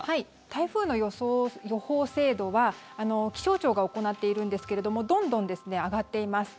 台風の予報精度は気象庁が行っているんですけれどもどんどん上がっています。